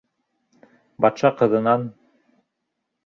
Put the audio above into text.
Батша ҡыҙынан: